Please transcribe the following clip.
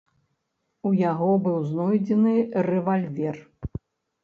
У яго быў знойдзены рэвальвер.